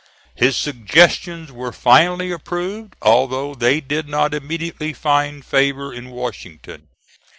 His suggestions were finally approved, although they did not immediately find favor in Washington.